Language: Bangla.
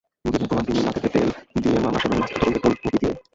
মুরগি খেয়ে ঘুমান তিনি নাকেতে তেল দিয়েমামার সেবায় ন্যস্ত দুজন বেতনভোগী পিএ।